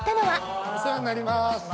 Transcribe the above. お世話になります。